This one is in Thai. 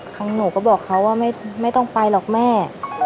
หนูก็บอกเขาว่าไม่ต้องไปหรอกแม่